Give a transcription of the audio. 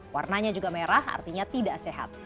warnanya juga merah artinya tidak sehat